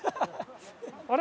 あれ？